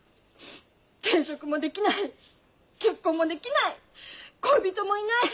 転職もできない結婚もできない恋人もいない夢もない！